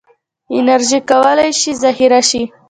انرژي کولی شي ذخیره شي.